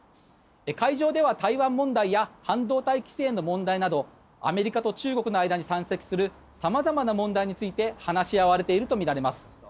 会場では台湾問題や半導体規制の問題などアメリカと中国の間に山積する様々な問題について話し合われているとみられます。